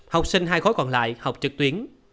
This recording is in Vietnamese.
học sinh hai khối còn lại học trực tuyến